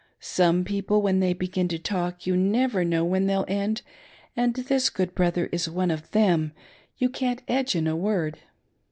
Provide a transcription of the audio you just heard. Some people, when they begin to talk, you never know when they'll end, and this good brother is one of them — ^you can't edge in aiyord.